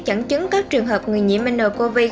chẳng chứng các trường hợp người nhiễm nợ covid